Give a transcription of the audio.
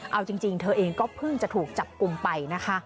เอาจริงเธอเองก็เพิ่งจะถูกจับกลุ่มไปนะคะ